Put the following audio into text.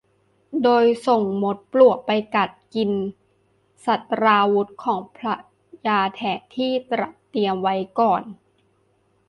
โดยส่งมดปลวกไปกัดกินศัตราวุธของพญาแถนที่ตระเตรียมไว้ก่อน